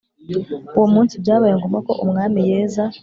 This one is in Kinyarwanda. Uwo munsi byabaye ngombwa ko umwami yeza